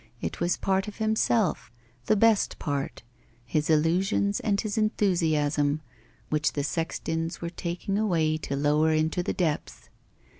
It was part of himself, the best part, his illusions and his enthusiasm, which the sextons were taking away to lower into the depths.